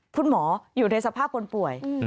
คุณหมออยู่ในสภาพคนป่วย